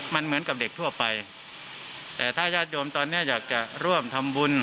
มันเหมือนกับเด็กทั่วไปแต่ถ้าญาติโยมตอนเนี้ยอยากจะร่วมทำบุญ